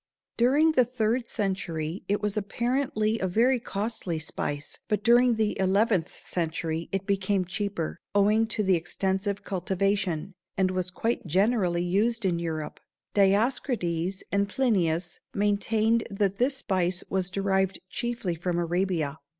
During the third century it was apparently a very costly spice, but during the eleventh century it became cheaper, owing to extensive cultivation, and was quite generally used in Europe. Dioscrides and Plinius maintained that this spice was derived chiefly from Arabia.